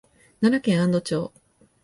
奈良県安堵町